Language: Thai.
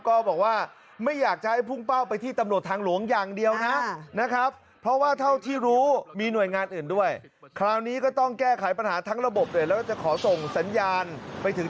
เรื่องสวยสติ๊กเกอร์มีเบอร์โทรแปลกโทรหาหลายสายเลย